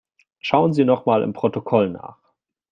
Schauen Sie nochmal im Protokoll nach.